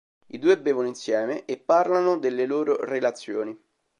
I due bevono insieme e parlano delle loro relazioni.